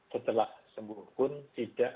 setelah sembuh pun tidak